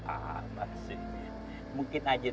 apa sih mungkin aja